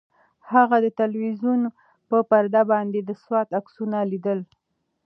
هغې د تلویزیون په پرده باندې د سوات عکسونه لیدل.